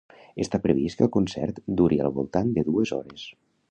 Està previst que el concert duri al voltant de dues hores.